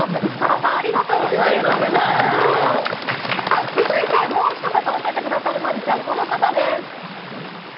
さあ、続いてもう一方、教えてくださるマジシャン、この方です。